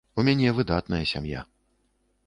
У мяне выдатная сям'я.